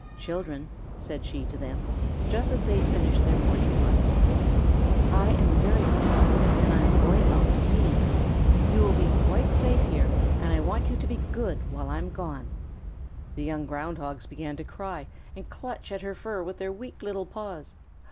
"Children," said she to them, just as they finished their morning lunch, "I am very hungry and I am going out to feed. You will be quite safe here and I want you to be good while I am gone." The young Ground Hogs began to cry and clutch at her fur with their weak little paws.